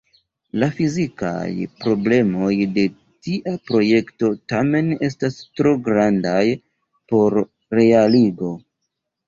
La fizikaj problemoj de tia projekto tamen estas tro grandaj por realigo.